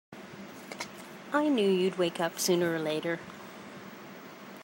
I knew you'd wake up sooner or later!